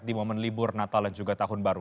di momen libur natal dan juga tahun baru